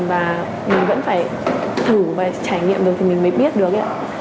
và mình vẫn phải thử và trải nghiệm được thì mình mới biết được